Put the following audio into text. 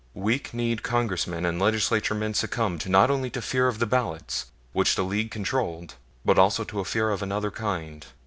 Weak kneed Congressmen and Legislaturemen succumbed not only to fear of the ballots which the League controlled but also to fear of another kind.